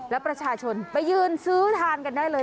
แล้วประชาชนไปยืนซื้อทานกันได้เลย